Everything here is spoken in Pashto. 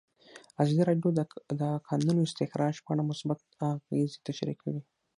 ازادي راډیو د د کانونو استخراج په اړه مثبت اغېزې تشریح کړي.